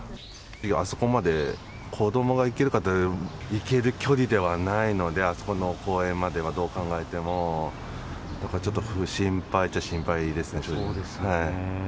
あそこまで子どもが行けるかっていうと、行ける距離ではないのでは、あそこの公園までは、どう考えても、だからちょっと心配っちゃ心配ですね。